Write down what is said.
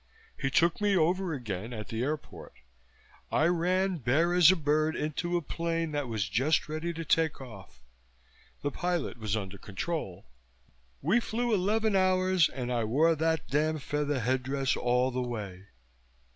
He took me over again at the airport. I ran bare as a bird into a plane that was just ready to take off. The pilot was under control.... We flew eleven hours, and I wore that damn feather headdress all the way."